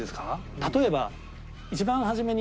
例えば。